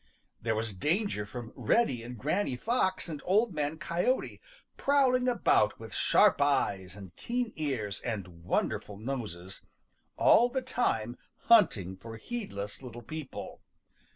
There was danger from Reddy and Granny Fox and Old Man Coyote, prowling about with sharp eyes and keen ears and wonderful noses, all the time hunting for heedless little people.